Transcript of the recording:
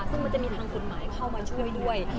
ซึ่งมันจะมีทางกฎหมายเข้ามาช่วยด้วย